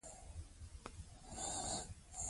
هغه په آرامه خوب ویده شو.